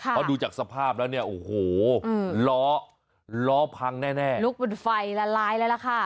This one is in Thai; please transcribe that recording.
เพราะดูจากสภาพแล้วเนี่ยโอ้โหล้อล้อพังแน่ลุกเป็นไฟละลายเลยล่ะค่ะ